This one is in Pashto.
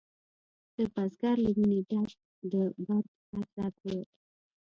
د بزګر له ویني ډک د برګ هر رګ و